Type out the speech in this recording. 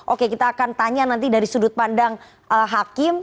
oke kita akan tanya nanti dari sudut pandang hakim